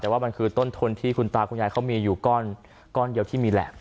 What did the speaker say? แต่ว่ามันคือต้นทุนที่คุณตาคุณยายเขามีอยู่ก้อนเดียวที่มีแหละ